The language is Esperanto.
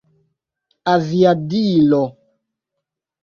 aviadilo